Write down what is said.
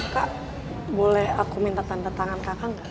kak boleh aku minta tanda tangan kakak